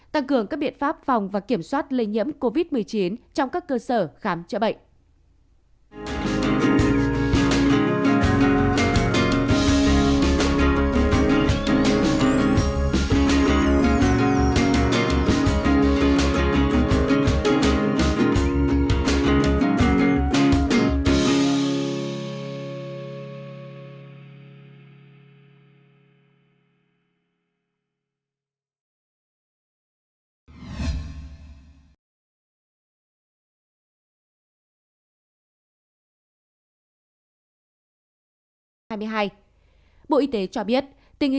tăng cường các biện pháp phòng và kiểm soát lây nhiễm covid một mươi chín trong các cơ sở khám chữa bệnh